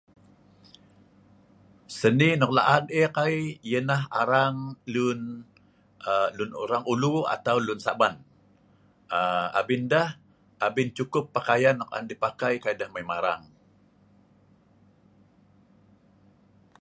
Seni no'k la'an eek ai yeh neh arang lun orang ulu atau lun sa'ban abin deh cukup pakaian nok an deh pakai kai deh mai marang